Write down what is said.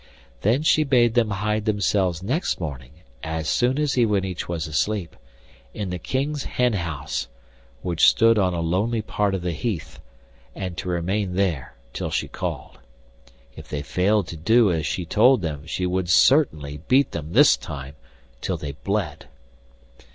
Then she bade them hide themselves next morning, as soon as Iwanich was asleep, in the King's hen house, which stood on a lonely part of the heath, and to remain there till she called. If they failed to do as she told them she would certainly beat them this time till they bled.